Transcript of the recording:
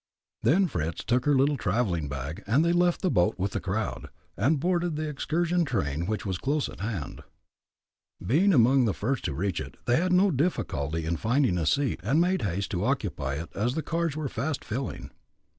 Then Fritz took her little traveling bag, and they left the boat with the crowd, and boarded the excursion train which was close at hand. Being among the first to reach it, they had no difficulty in finding a seat, and made haste to occupy it, as the cars were fast filling.